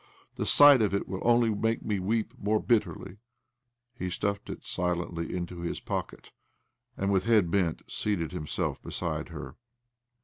" The sight of it will only make me weep more bitterly." He stuffed it silently into his pocket, and, with head bent, seated himself bfeside hter.